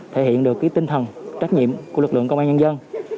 thể hiện được tinh thần trách nhiệm của lực lượng công an nhân dân